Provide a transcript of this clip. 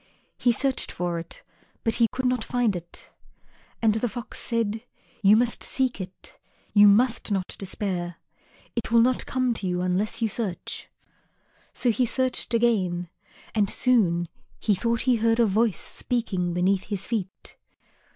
He searched for it, but he could not find it. And Fox said, "You must seek it; you must not despair; it will not come to you unless you search." So he searched again, and soon he thought he heard a voice speaking beneath his feet.